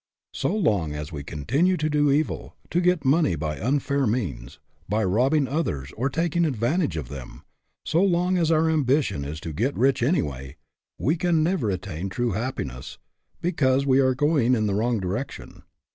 So long as we continue to do evil, to get money by unfair means by robbing others or taking advantage of them so long as our ambition is to get rich anyway, we can never attain true happiness, because we are going in the wrong direction.